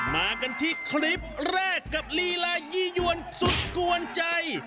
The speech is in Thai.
มากันที่คลิปแรกกับลีลายี่ยววนสุดกวนใจ